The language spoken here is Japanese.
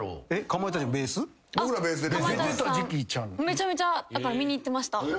めちゃめちゃ見に行ってました。